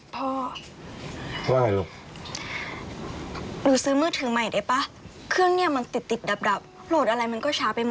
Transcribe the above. ไปก่อนนะลูก